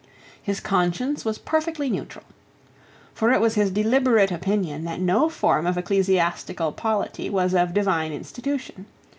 His conscience was perfectly neutral. For it was his deliberate opinion that no form of ecclesiastical polity was of divine institution.